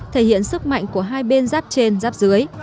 thể hiện sức mạnh của hai bên giáp trên giáp dưới